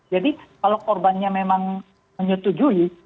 kalau korbannya memang menyetujui